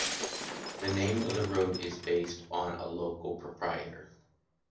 The name of the road is based on a local proprietor.